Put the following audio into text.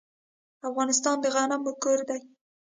افغانستان د غنمو کور دی.